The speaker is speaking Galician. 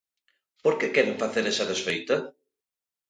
¿Por que queren facer esa desfeita?